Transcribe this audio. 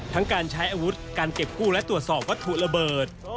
ทั้งการใช้อาวุธการเก็บกู้และตรวจสอบวัตถุระเบิด